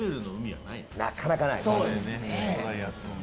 なかなかないです。